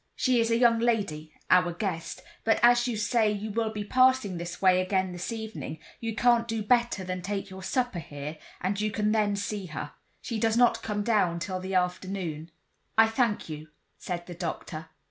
She is a young lady—our guest; but as you say you will be passing this way again this evening, you can't do better than take your supper here, and you can then see her. She does not come down till the afternoon." "I thank you," said the doctor.